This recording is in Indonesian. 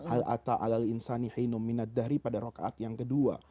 al ata'a al insani hinu minad dhari pada rokaat yang kedua